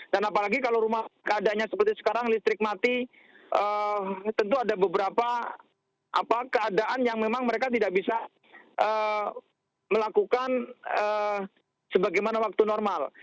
dan apalagi kalau rumah keadaannya seperti sekarang listrik mati tentu ada beberapa keadaan yang memang mereka tidak bisa melakukan sebagaimana waktu normal